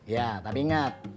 ya tapi ingat